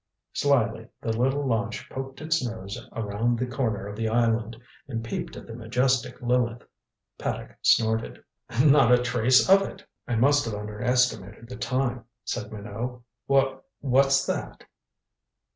Slyly the little launch poked its nose around the corner of the island and peeped at the majestic Lileth. Paddock snorted. "Not a trace of it." "I must have underestimated the time," said Minot. "Wha what's that?"